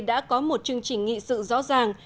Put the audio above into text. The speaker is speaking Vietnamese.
đã có một chương trình nghị sự rõ ràng